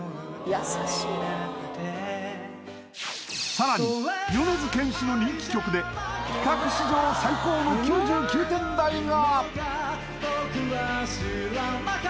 さらに米津玄師の人気曲で企画史上最高の９９点台が！？